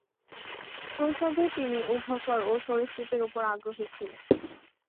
শৈশবে তিনি উভচর ও সরীসৃপের উপর আগ্রহী ছিলেন।